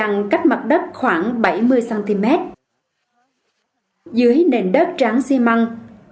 mặt cách mặt đất khoảng bảy mươi cm dưới nền đất tráng xi măng